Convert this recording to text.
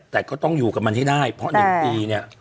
แต่ก็ต้องอยู่กับมันให้ได้เพราะ๑ปีเนี่ย